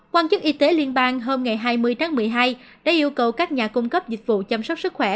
quan chức y tế liên bang hôm hai mươi tháng một mươi hai đã yêu cầu các nhà cung cấp dịch vụ chăm sóc sức khỏe